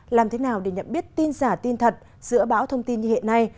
làm thế nào để nhận biết tin giả tin thật giữa báo thông tin như hiện nay